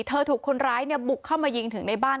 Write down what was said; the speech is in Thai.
ถูกคนร้ายบุกเข้ามายิงถึงในบ้าน